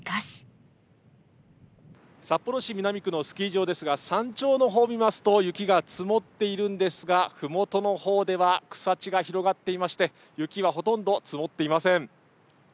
札幌市南区のスキー場ですが、山頂のほうを見ますと、雪が積もっているんですが、ふもとのほうでは草地が広がっていまして、雪はほとんど積もっていません。